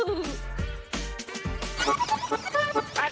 เห็นที่ต้องขอลอกกันบ้าน